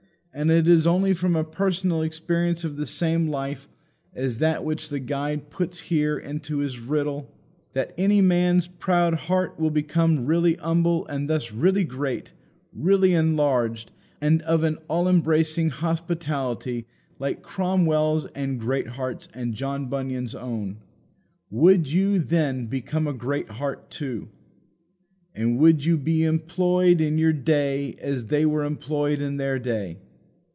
And it is only from a personal experience of the same life as that which the guide puts here into his riddle that any man's proud heart will become really humble and thus really great, really enlarged, and of an all embracing hospitality like Cromwell's and Greatheart's and John Bunyan's own. Would you, then, become a Greatheart too? And would you be employed in your day as they were employed in their day?